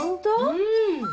うん。